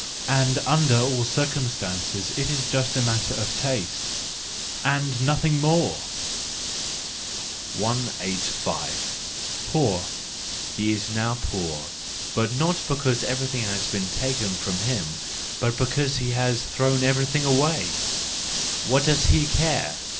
And under all circumstances it is just a matter of taste—and nothing more ! 185. Poor .—He is now poor, but not because every¬ thing has been taken from him, but because he has thrown everything away:—what does he care